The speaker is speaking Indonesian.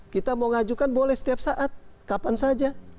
kita mau ngajukan boleh setiap saat kapan saja